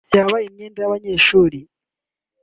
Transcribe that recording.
yaba imyenda y’abanyeshuri